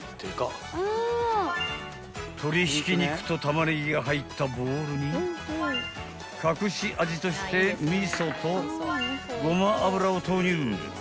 ［鶏ひき肉とタマネギが入ったボウルに隠し味として味噌とごま油を投入］